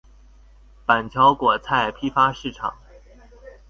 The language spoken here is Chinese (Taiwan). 板橋果菜批發市場